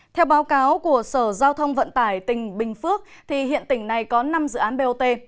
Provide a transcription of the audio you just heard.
theo báo cáo của sở giao thông vận tải tỉnh bình phước thì hiện tỉnh này có năm dự án bot